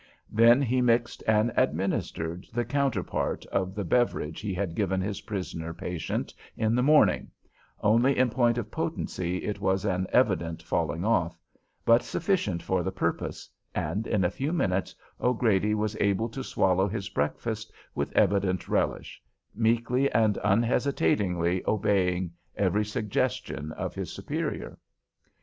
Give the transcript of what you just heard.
Then he mixed and administered the counterpart of the beverage he had given his prisoner patient in the morning, only in point of potency it was an evident falling off, but sufficient for the purpose, and in a few minutes O'Grady was able to swallow his breakfast with evident relish, meekly and unhesitatingly obeying every suggestion of his superior.